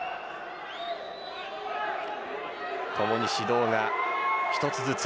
ともに指導が１つずつ。